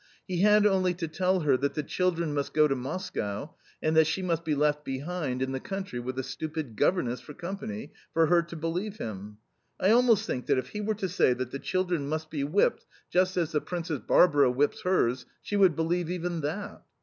He had only to tell her that the children must go to Moscow and that she must be left behind in the country with a stupid governess for company, for her to believe him! I almost think that if he were to say that the children must be whipped just as the Princess Barbara whips hers, she would believe even that!"